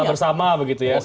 soal bersama begitu ya